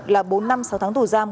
là bốn năm sáu tháng tù giam